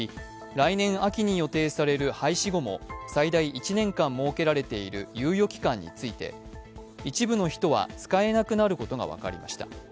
来年秋に予定される廃止後も最大１年間設けられている猶予期間について一部の人は使えなくなることが分かりました。